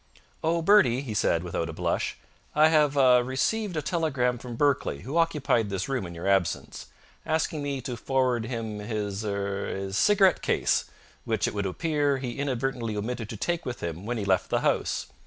"Oh, Bertie," he said, without a blush, "I have ah received a telegram from Berkeley, who occupied this room in your absence, asking me to forward him his er his cigarette case, which, it would appear, he inadvertently omitted to take with him when he left the house.